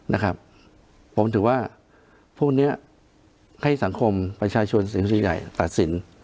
นะครับผมถือว่าพวกเนี้ยให้สังคมประชาชนเสียงส่วนใหญ่ตัดสิน